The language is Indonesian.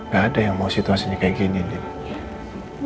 gak ada yang mau situasinya kayak begini deb